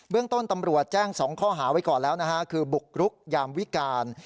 เรื่องต้นตำรวจแจ้ง๒ข้อหาไว้ก่อนแล้วนะฮะคือบุกรุกยามวิการ